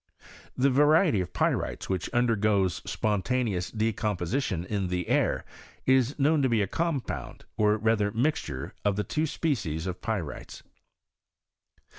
The variety of pyrites which undergoes Bpontaneoua decomposition in the air, is knowB to be a compound, or rather mixture of the two species of pyrites.